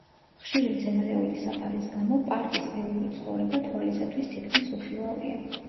ხშირი მცენარეული საფარის გამო, პარკის ველური ცხოვრება თვალისათვის თითქმის უხილავია.